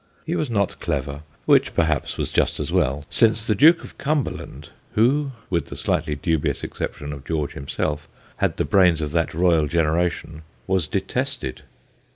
He was not clever, which perhaps was just as well, since the Duke of Cumberland, who with the slightly dubious exception of George himself had the brains of that royal generation, was detested.